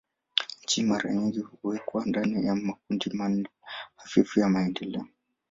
Nchi mara nyingi huwekwa ndani ya makundi manne hafifu ya maendeleo.